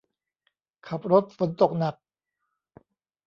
ขับรถฝนตกหนัก